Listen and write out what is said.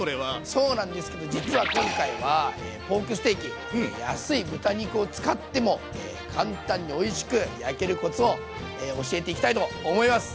そうなんですけど実は今回はポークステーキ安い豚肉を使っても簡単においしく焼けるコツを教えていきたいと思います。